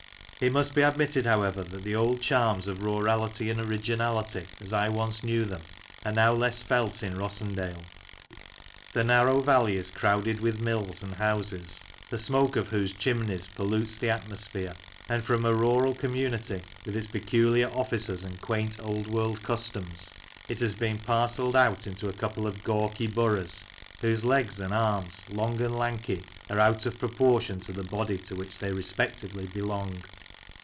It must be admitted, however, that the old charms of rurality and originality as I once knew them, are now less felt in Rossendale. The narrow valley is crowded with mills and houses, the smoke of whose chimneys pollutes the atmosphere \ and from a rural community, with its peculiar officers and quaint old world customs, it has been parcelled out into a couple of gawky boroughs, whose legs and arms, long and lanky, are out of proportion to the body to which they respectively belong.